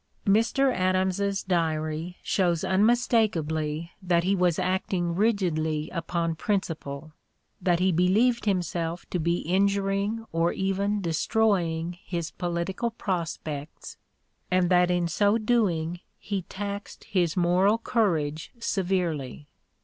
Mr. Adams's Diary shows unmistakably that he was acting rigidly upon principle, that he believed himself to be injuring or even destroying his political prospects, and that in so doing he taxed his moral courage severely.